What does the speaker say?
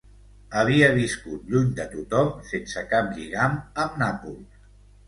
Havia viscut lluny de tothom, sense cap lligam amb Nàpols.